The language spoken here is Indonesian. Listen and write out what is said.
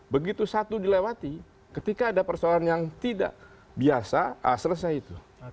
begitu satu dilewati ketika ada persoalan yang tidak biasa selesai itu